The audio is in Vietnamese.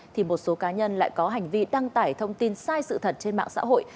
thì một số cá nhân lại có hành vi đăng tải thông tin sai sự thật trên mạng xã hội